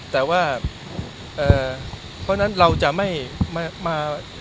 แต่ว่าเพราะฉะนั้นเราจะไม่มา